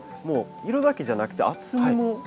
もう色だけじゃなくて厚みも。